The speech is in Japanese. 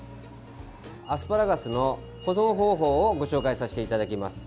アスパラガスの保存方法をご紹介させていただきます。